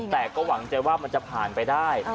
แต่ก็หวังใจว่ามันจะผ่านไปได้